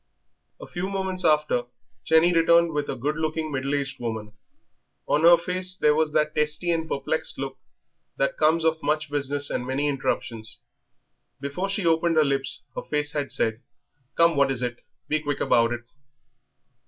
A few moments after Jenny returned with a good looking, middle aged woman. On her face there was that testy and perplexed look that comes of much business and many interruptions. Before she had opened her lips her face had said: "Come, what is it? Be quick about it."